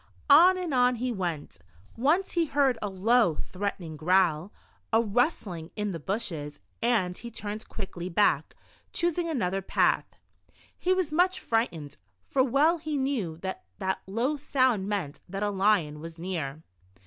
On and on he went Once he heard a low, threatening growl, a rustling in the bushes, and he turned quickly back, choosing another path. He was much frightened, for \ve\\ he knew that that low sound meant that a lion was near.